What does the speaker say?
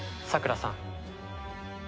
さくらさん。